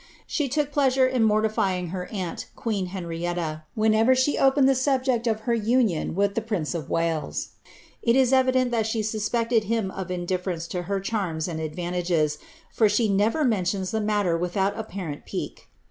She took pleasure in mor tifying her aunt, queen Henrietui, whenever she opened the subject of her union with the prince of Wales ; it is evident that she suspected bin of indiflerence to her cliarms and advantages, for she never mentions the matter without apparent pique.